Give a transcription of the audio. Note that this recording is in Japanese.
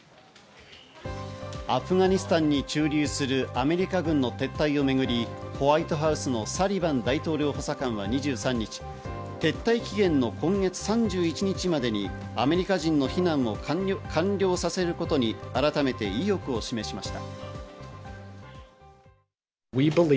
アフガニスタンに駐留するアメリカ軍の撤退をめぐりホワイトハウスのサリバン大統領補佐官は２３日、撤退期限の今月３１日までにアメリカ人の避難を完了させることに改めて意欲を示しました。